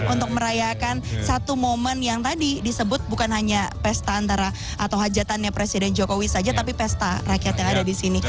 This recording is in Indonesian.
untuk merayakan satu momen yang tadi disebut bukan hanya pesta antara atau hajatannya presiden jokowi saja tapi pesta rakyat yang ada di sini